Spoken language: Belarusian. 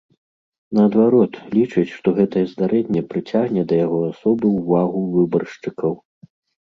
Наадварот, лічыць, што гэта здарэнне прыцягне да яго асобы ўвагу выбаршчыкаў.